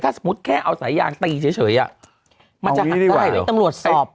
สมมุติแค่เอาสายยางตีเฉยมันจะหักได้เลยตำรวจสอบ